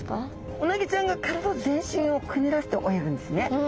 うなぎちゃんが体全身をくねらせて泳ぐんですね。